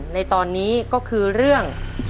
ในตอนนี้ก็คือเรื่อง